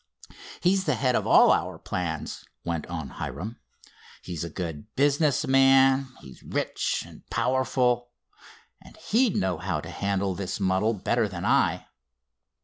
"He's the head of all our plans," went on Hiram. "He's a good business man, he's rich and powerful, and he'd know how to handle this muddle better than I.